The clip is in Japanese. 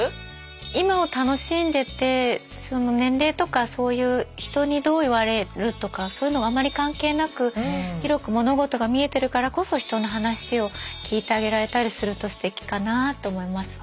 今を楽しんでて年齢とかそういう人にどう言われるとかそういうのがあんまり関係なく広く物事が見えてるからこそ人の話を聞いてあげられたりするとステキかなあと思いますね。